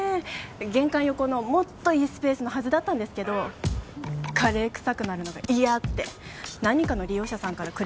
玄関横のもっといいスペースのはずだったんですけどカレーくさくなるのが嫌って何人かの利用者さんからクレーム入ったみたいで。